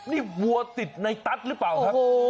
นี่วัวสิตนายต๊ัสหรือเปล่านะ